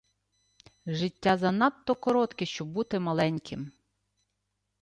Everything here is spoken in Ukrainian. Життя занадто коротке, щоб бути маленьким.